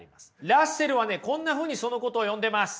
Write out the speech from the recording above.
ラッセルはねこんなふうにそのことを呼んでます。